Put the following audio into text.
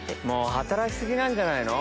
働き過ぎなんじゃないの？